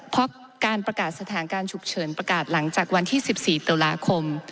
เพราะการประกาศสถานการณ์ฉุกเฉินประกาศหลังจากวันที่๑๔ตุลาคม